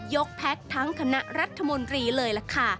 ยกแพ็กค์ทั้งคณะรัฐมนตรีเลยเหรอคะ